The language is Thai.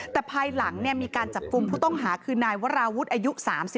แต่ภายหลังมีการจับกลุ่มผู้ต้องหาคือนายวราวุฒิอายุ๓๒